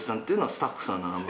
スタッフさんの名前？